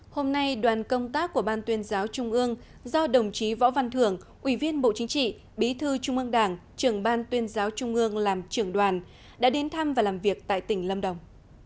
hôm nay đoàn công tác của ban tuyên giáo trung ương do đồng chí võ văn thưởng ủy viên bộ chính trị bí thư trung ương đảng trưởng ban tuyên giáo trung ương làm trưởng đoàn đã đến thăm và làm việc tại tỉnh lâm đồng